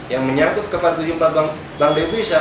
yang menyakut ke empat ratus tujuh puluh empat bank dt